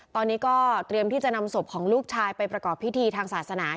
ตอนนี้ก็เตรียมที่จะนำศพของลูกชายไปประกอบพิธีทางศาสนา